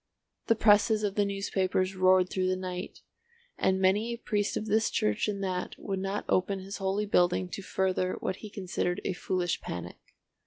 The presses of the newspapers roared through the night, and many a priest of this church and that would not open his holy building to further what he considered a foolish panic.